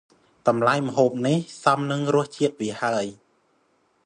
តំលៃម្ហូបនេះ សមនឹងរសជាតិវាហើយ ។